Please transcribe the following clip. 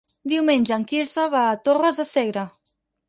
Diumenge en Quirze va a Torres de Segre.